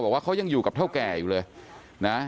บอกว่าเขายังอยู่กับเท่าแก่อยู่เลยนะ